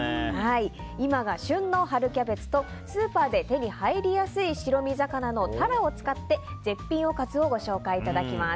今が旬の春キャベツとスーパーで手に入りやすい白身魚のタラを使って絶品おかずをご紹介いただきます。